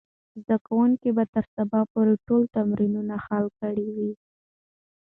زده کوونکي به تر سبا پورې ټول تمرینونه حل کړي وي.